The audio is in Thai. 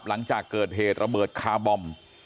หลังจากเกิดเหตุระเบิดคาร์บอม